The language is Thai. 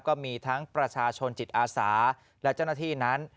ก็มีทั้งประชาชนจิตอาสาและเจ้าหน้าที่นั้น